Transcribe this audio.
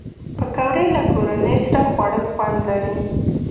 پکورې له کورنۍ سره خوړل خوند لري